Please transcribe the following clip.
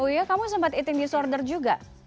oh iya kamu sempat eating disorder juga